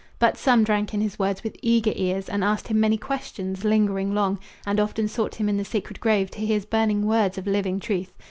But some drank in his words with eager ears, And asked him many questions, lingering long, And often sought him in the sacred grove To hear his burning words of living truth.